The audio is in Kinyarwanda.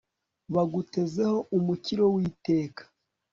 bagutezeho umukiro w'iteka